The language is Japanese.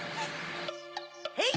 へい！